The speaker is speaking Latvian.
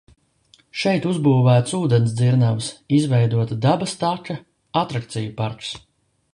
Šeit uzbūvētas ūdensdzirnavas, izveidota dabas taka, atrakciju parks.